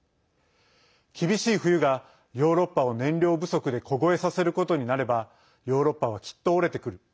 厳しい冬がヨーロッパを燃料不足で凍えさせることになればヨーロッパは、きっと折れてくる。